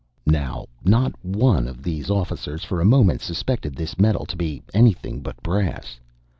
Now, not one of these officers for a moment suspected this metal to be anything but brass.